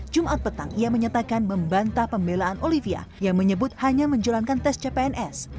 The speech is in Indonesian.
jumat petang ia menyatakan membantah pembelaan olivia yang menyebut hanya menjalankan tes cpns